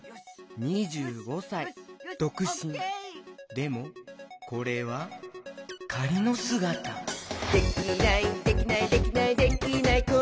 でもこれはかりのすがた「できないできないできないできない子いないか」